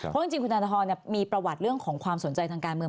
เพราะจริงคุณธนทรมีประวัติเรื่องของความสนใจทางการเมือง